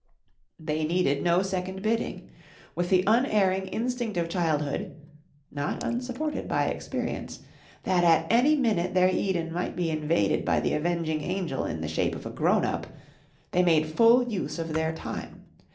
They needed no second bidding. With the unerring instinct of childhood (not unsupported by experience) that at any minute their Eden might be invaded by the avenging angel in the shape of a grown up, they made full use of their time.